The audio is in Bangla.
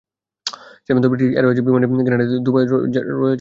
শেষ পর্যন্ত ব্রিটিশ এয়ারওয়েজের বিমানে গ্রেনাডায় এসেছে দুবাইয়ে রয়ে যাওয়া লাগেজগুলো।